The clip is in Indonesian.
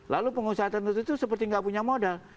lalu pengusaha tertentu itu seperti nggak punya modal